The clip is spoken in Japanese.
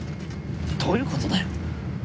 どういう事だよ。